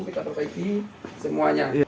kita perbaiki semuanya